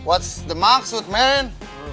apa maksudnya men